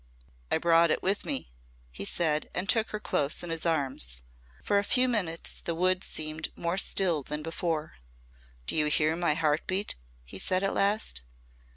"I brought it with me," he said and took her close in his arms. For a few minutes the wood seemed more still than before. "Do you hear my heart beat?" he said at last.